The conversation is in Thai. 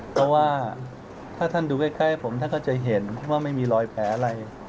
เพราะว่าถ้าท่านดูใกล้ผมท่านก็จะเห็นว่าไม่มีรอยแผลอะไร